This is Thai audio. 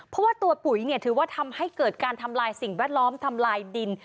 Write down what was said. เพราะว่าตัวปุ๋ยถือว่าทำให้เกิดการทำลายสิ่งแวดล้อมทำลายดิน